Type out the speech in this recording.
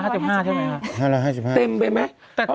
เต็มไปไหม